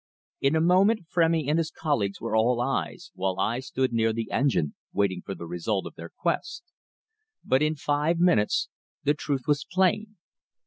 In a moment Frémy and his colleague were all eyes, while I stood near the engine waiting the result of their quest. But in five minutes the truth was plain.